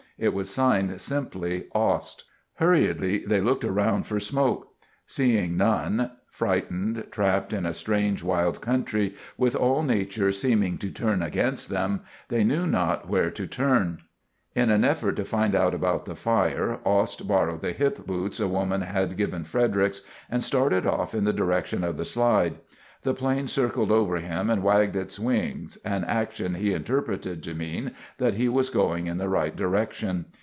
It was signed simply, "Ost." Hurriedly they looked around for smoke. Seeing none, frightened, trapped in a strange, wild country, with all nature seeming to turn against them, they knew not where to turn. [Illustration: Helicopter evacuation.] In an effort to find out about the fire, Ost borrowed the hip boots a woman had given Fredericks and started off in the direction of the slide. The plane circled over him and wagged its wings, an action he interpreted to mean that he was going in the right direction.